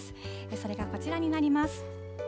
それがこちらになります。